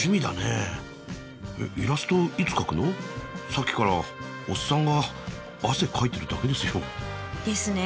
さっきからおっさんが汗かいてるだけですよ。ですね。